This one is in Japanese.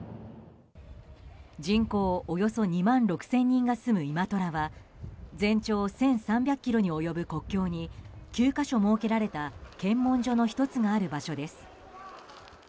人口およそ２万６０００人が住むイマトラは全長１３００ｋｍに及ぶ国境に９か所設けられた検問所の１つがある場所です。